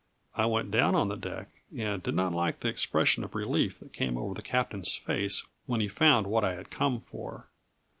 I went down on the deck, and did not like the expression of relief that came over the captain's face when he found what I had come for.